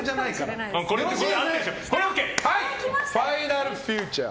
ファイナルフューチャー？